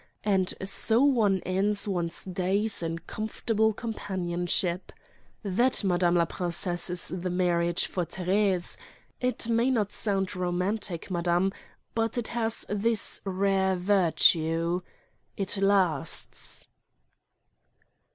And so one ends one's days in comfortable companionship. That, madame la princesse, is the marriage for Thérèse! It may not sound romantic, madame, but it has this rare virtue—it lasts!"